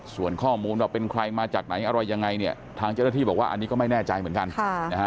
ส่วนข้อมูลว่าเป็นใครมาจากไหนอะไรยังไงเนี่ยทางเจ้าหน้าที่บอกว่าอันนี้ก็ไม่แน่ใจเหมือนกันนะฮะ